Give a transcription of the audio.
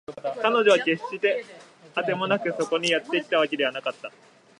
彼女は決してあてもなくそこにやってきたわけではなかった